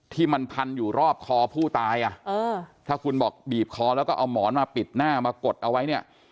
ที่มันพันอยู่รอบคอผู้ตายอ่ะเออถ้าคุณบอกบีบคอแล้วก็เอาหมอนมาปิดหน้ามากดเอาไว้เนี่ย